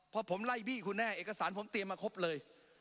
พอผมไล่บี้คุณแน่เอกสารผมเตรียมมาครบเลย